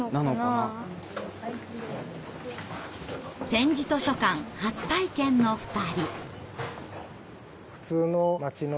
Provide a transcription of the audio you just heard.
点字図書館初体験の２人。